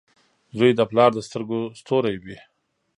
• زوی د پلار د سترګو ستوری وي.